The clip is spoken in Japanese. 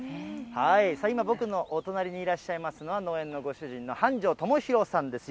今、僕のお隣にいらっしゃいますのは、農園のご主人の繁昌知洋さんです。